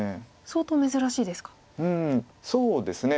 相当珍しいですか。